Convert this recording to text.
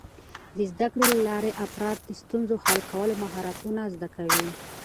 د زده کړې له لارې، افراد د ستونزو حل کولو مهارتونه زده کوي.